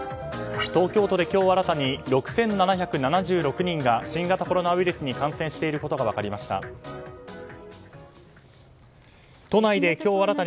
東京都で今日新たに６７７６人が新型コロナウイルスに感染していることが分かりました。